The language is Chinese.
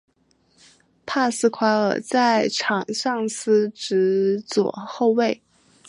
帕斯夸尔在场上司职左后卫。